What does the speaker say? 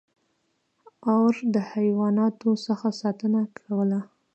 • اور د حیواناتو څخه ساتنه کوله.